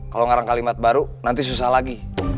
kalau ngarang kalimat baru nanti susah lagi